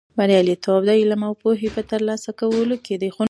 بریالیتوب د علم او پوهې په ترلاسه کولو کې دی.